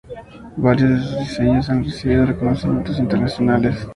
Varios de sus diseños han recibido reconocimientos internacionales.